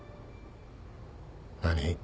何？